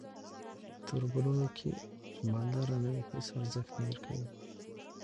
توربرونو کې چې مالداره نه وې هیس ارزښت نه درکوي.